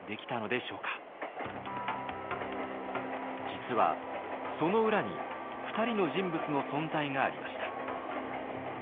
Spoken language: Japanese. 実はその裏に２人の人物の存在がありました。